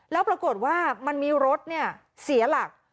แล้วปรากฏว่ามันมีรถเสียหลัก